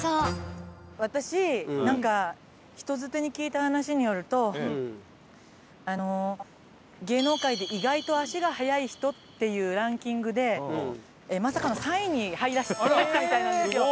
私なんか人づてに聞いた話によると芸能界で意外と足が速い人っていうランキングでまさかの３位に入ったみたいなんですよ。